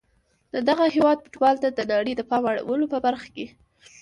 د دغه هیواد فوتبال ته د نړۍ د پام اړولو په برخه کې